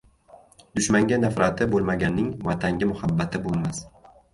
Dushmanga nafrati bo'lmaganning Vatanga muhabbati bo'lmas.